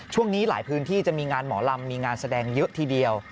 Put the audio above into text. ช่วงนี้หลายพื้นที่จะมีงานหมอลำมีงานแสดงเยอะทีเดียว